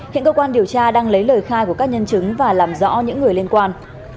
hiện cơ quan điều tra đang lấy lời khai của các nhân chứng và làm rõ những người liên quan